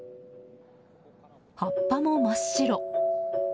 葉っぱも真っ白。